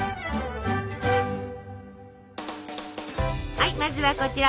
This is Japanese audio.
はいまずはこちら。